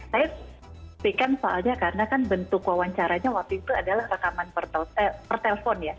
saya berikan soalnya karena kan bentuk wawancaranya waktu itu adalah rekaman per telpon ya